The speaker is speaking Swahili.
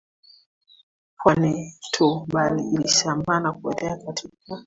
Pwani tu bali ilisambaa na kuenea katika